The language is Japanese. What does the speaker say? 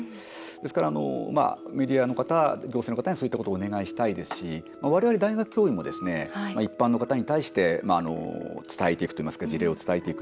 ですから、メディアの方行政の方に、そういったことをお願いしたいですし我々、大学教員も一般の方に対して事例を伝えていく。